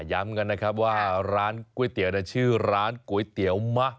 ย้ำกันนะครับว่าร้านก๋วยเตี๋ยวชื่อร้านก๋วยเตี๋ยวมะ